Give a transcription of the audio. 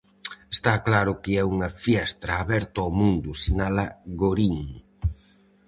"Está claro que é unha fiestra aberta ao mundo", sinala Gorín.